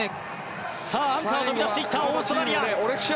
アンカーが飛び出したオーストラリア。